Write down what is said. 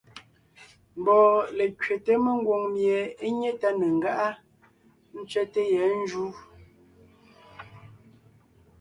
Mbɔɔ lékẅéte mengwòŋ mie é nyé tá ne ńgáʼa, ńtsẅɛ́te yɛ̌ njǔ.